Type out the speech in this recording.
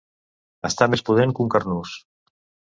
Estar més pudent que un carnús.